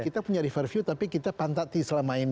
kita punya river view tapi kita pantat di selama ini